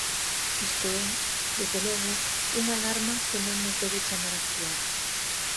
Isto é, desde logo, unha alarma que nos debe chamar a actuar.